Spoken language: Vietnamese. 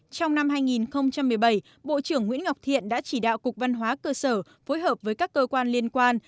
trong năm hai nghìn một mươi bảy bộ trưởng nguyễn ngọc thiện đã chỉ đạo cục văn hóa cơ sở phối hợp với các cơ quan liên quan